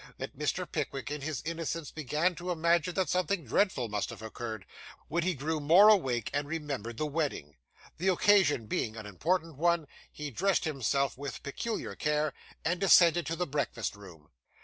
that Mr. Pickwick in his innocence began to imagine that something dreadful must have occurred when he grew more awake, and remembered the wedding. The occasion being an important one, he dressed himself with peculiar care, and descended to the breakfast room.